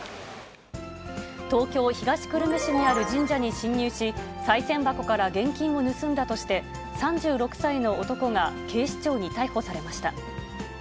東京・東久留米市にある神社に侵入し、さい銭箱から現金を盗んだとして、３６歳の男が警視庁に逮捕されました。